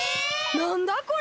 なんだこれ！？